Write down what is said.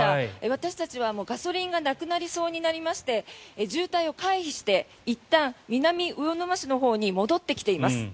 私たちはガソリンがなくなりそうになりまして渋滞を回避していったん南魚沼市のほうに戻ってきています。